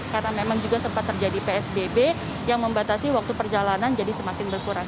karena memang juga sempat terjadi psbb yang membatasi waktu perjalanan jadi semakin berkurang